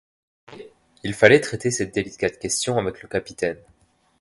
Mais il fallait traiter cette délicate question avec le capitaine.